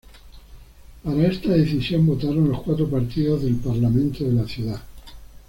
Para esta decisión votaron los cuatro partidos del parlamento de la ciudad.